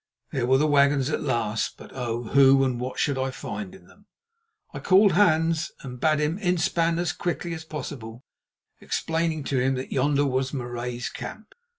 There were the wagons at last, but—oh! who and what should I find in them? I called Hans and bade him inspan as quickly as possible, explaining to him that yonder was Marais's camp.